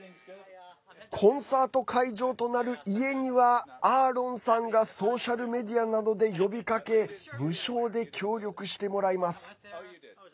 コンサート会場となる家にはアーロンさんがソーシャルメディアなどで呼びかけ無償で協力してもらいます。